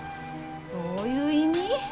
どういう意味？